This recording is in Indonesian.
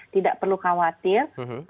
tidak perlu khawatir